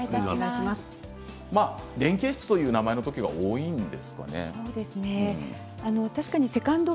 連携室という名前の時が多いんですよね。